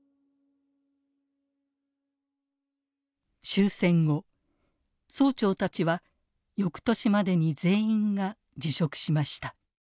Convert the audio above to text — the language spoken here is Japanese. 終戦後総長たちは翌年までに全員が辞職しました。